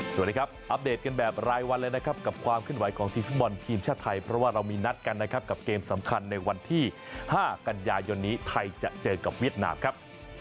สวัสดีครับอัปเดตกันแบบรายวันเลยนะครับกับความขึ้นไหวของทีมฟุตบอลทีมชาติไทยเพราะว่าเรามีนัดกันนะครับกับเกมสำคัญในวันที่๕กันยายนนี้ไทยจะเจอกับเวียดนามครับ